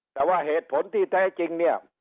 แต่ว่าเหตุผลที่แท้จริงเนี่ย